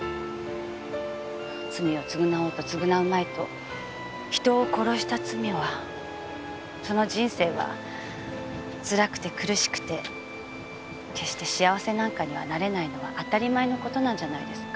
罪を償おうと償うまいと人を殺した罪はその人生はつらくて苦しくて決して幸せなんかにはなれないのは当たり前の事なんじゃないですか？